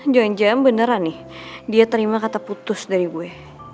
john jom beneran nih dia terima kata putus dari gue